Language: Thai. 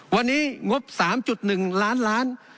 วันนี้งบ๓๑ล้าน